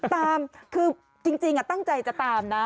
ตามคือจริงตั้งใจจะตามนะ